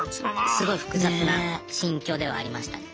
すごい複雑な心境ではありました。